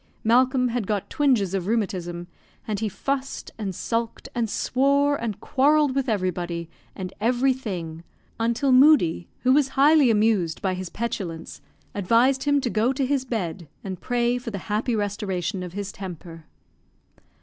Malcolm had got twinges of rheumatism, and he fussed, and sulked, and swore, and quarrelled with everybody and everything, until Moodie, who was highly amused by his petulance, advised him to go to his bed, and pray for the happy restoration of his temper.